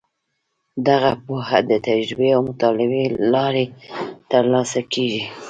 دغه پوهه د تجربې او مطالعې له لارې ترلاسه کیږي.